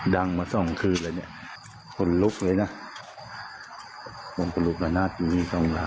ดังมาสองคืนเลยเนี่ยคนลุกเลยนะมันก็ลุกมานัดอยู่นี่สองหลัง